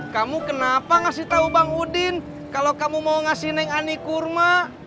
kamu kenapa ngasih tahu bang udin kalau kamu mau ngasih neng ani kurma